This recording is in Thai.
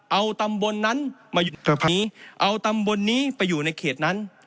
เอาตำบลนั้นมาผีเอาตำบลนี้ไปอยู่ในเขตนั้น